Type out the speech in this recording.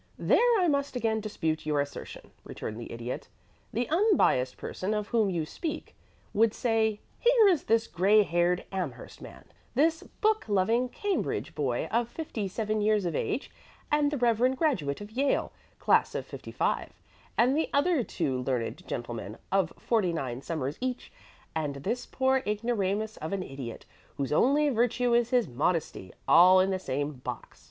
"There I must again dispute your assertion," returned the Idiot. "The unbiassed person of whom you speak would say, 'Here is this gray haired Amherst man, this book loving Cambridge boy of fifty seven years of age, the reverend graduate of Yale, class of '55, and the other two learned gentlemen of forty nine summers each, and this poor ignoramus of an Idiot, whose only virtue is his modesty, all in the same box.'